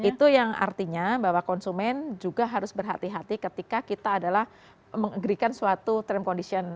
itu yang artinya bahwa konsumen juga harus berhati hati ketika kita adalah meng agrekan suatu term condition